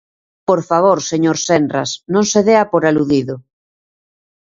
¡Por favor, señor Senras, non se dea por aludido!